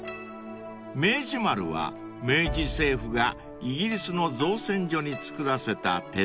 ［明治丸は明治政府がイギリスの造船所に造らせた鉄船］